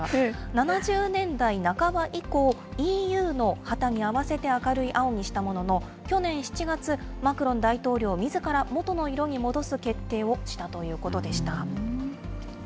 ７０年代半ば以降、ＥＵの旗に合わせて明るい青にしたものの、去年７月、マクロン大統領みずから元の色に戻す決定をしたということでした。